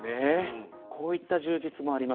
こういった充実もあります。